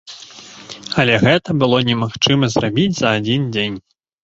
Але гэта было немагчыма зрабіць за адзін дзень.